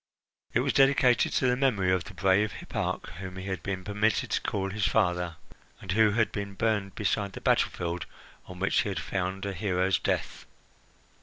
It was dedicated to the memory of the brave hipparch whom he had been permitted to call his father, and who had been burned beside the battlefield on which he had found a hero's death.